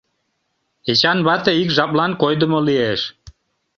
Эчан вате ик жаплан койдымо лиеш.